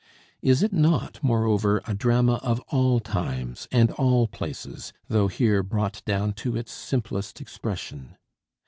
Is it not, moreover, a drama of all times and all places, though here brought down to its simplest expression?